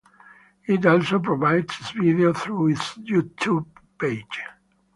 It also provides its videos through its YouTube page.